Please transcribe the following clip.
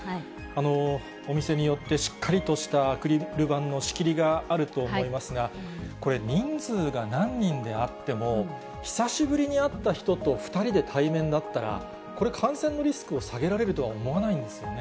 お店によって、しっかりとしたアクリル板の仕切りがあると思いますが、これ、人数が何人であっても、久しぶりに会った人と２人で対面だったら、これ、感染のリスクを下げられるとは思わないんですよね。